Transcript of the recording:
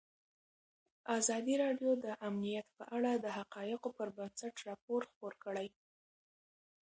ازادي راډیو د امنیت په اړه د حقایقو پر بنسټ راپور خپور کړی.